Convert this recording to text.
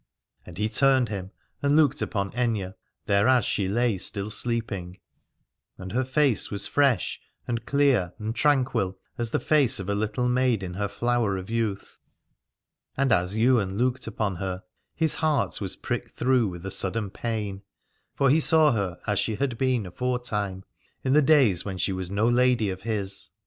And he turned him and looked upon Aithne, thereas she lay still sleeping : and her face was fresh and clear and tranquil as the face of a little maid in her flower of youth. And as Ywain looked upon her his heart was pricked through with a sudden pain : for he saw her as she had 279 Aladore been aforetime, in the days when she was no lady of his.